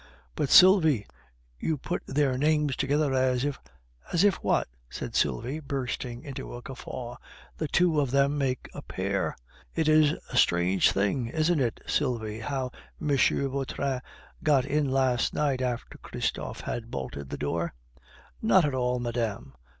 "But, Sylvie, you put their names together as if " "As if what?" said Sylvie, bursting into a guffaw. "The two of them make a pair." "It is a strange thing, isn't it, Sylvie, how M. Vautrin got in last night after Christophe had bolted the door?" "Not at all, madame.